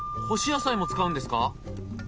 干し野菜も使うんですか！？